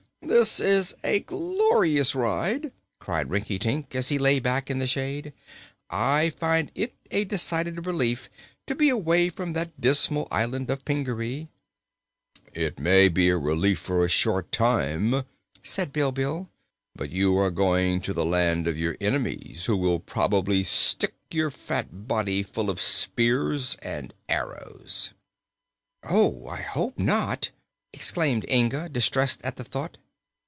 "This is a glorious ride!" cried Rinkitink, as he lay back in the shade. "I find it a decided relief to be away from that dismal island of Pingaree. "It may be a relief for a short time," said Bilbil, "but you are going to the land of your enemies, who will probably stick your fat body full of spears and arrows." "Oh, I hope not!" exclaimed Inga, distressed at the thought.